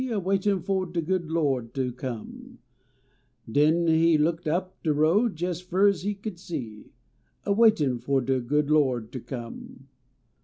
\ \vaitin fo <le good Lo d ter come, DtMi e looked up de road jes fur as lie could see, A waitin fo de good Lo d ter come.